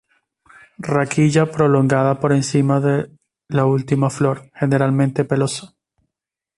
Raquilla prolongada por encima de la última flor, generalmente pelosa.